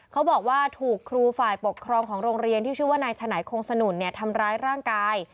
เขาบอกว่าถูกครูฝ่ายปกครองของโรงเรียนที่ชื่อว่านายฉนัยคงสนุนทำร้ายร่างกาย